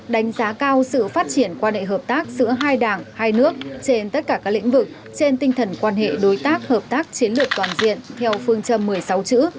đánh giá cao sự phát triển quan hệ hợp tác giữa hai đảng hai nước trên tất cả các lĩnh vực trên tinh thần quan hệ đối tác hợp tác chiến lược toàn diện theo phương châm một mươi sáu chữ